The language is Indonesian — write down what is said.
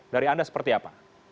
dari anda seperti apa